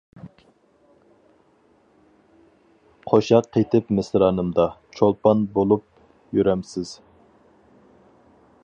قوشاق قېتىپ مىسرانىمدا، چولپان بولۇپ يۈرەمسىز.